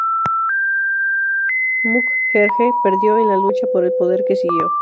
Mukherjee perdió en la lucha por el poder que siguió.